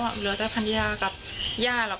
เหลือแต่ภรรยากับย่าหรอก